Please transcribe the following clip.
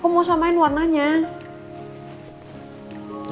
aku mau samain warnanya